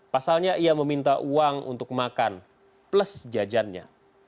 pasalnya ia meminta uang untuk makan plus jajannya